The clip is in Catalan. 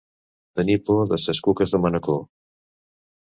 Tenir por de ses cuques de Manacor.